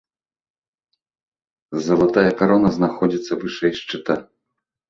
Залатая карона знаходзіцца вышэй шчыта.